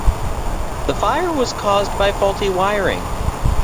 The fire was caused by faulty wiring.